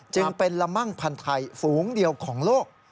จึงเป็นละมั่งพันธ์ไทยฝูงเดียวของโลก